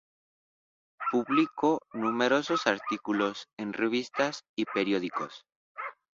Publicó numerosos artículos en revistas y periódicos.